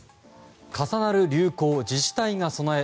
重なる流行、自治体が備え。